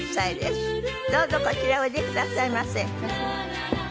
どうぞこちらへおいでくださいませ。